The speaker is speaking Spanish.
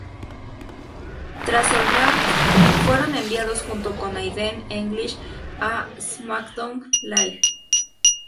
Tras el Draft, fueron enviados junto con Aiden English a Smackdown Live.